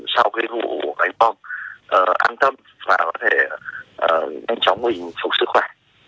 sau cái vụ bệnh bom an tâm và có thể nhanh chóng mình phục sức khỏe